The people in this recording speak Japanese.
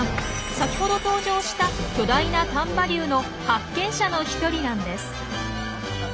先ほど登場した巨大な丹波竜の発見者の一人なんです。